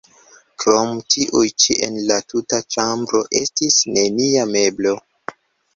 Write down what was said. Krom tiuj ĉi en la tuta ĉambro estis nenia meblo.